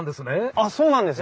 あっそうなんです！